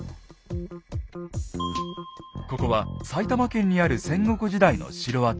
ここは埼玉県にある戦国時代の城跡。